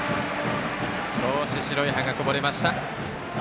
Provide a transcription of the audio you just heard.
少し白い歯がこぼれました。